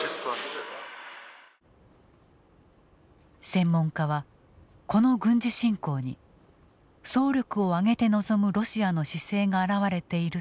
専門家はこの軍事侵攻に総力を挙げて臨むロシアの姿勢が表れていると分析している。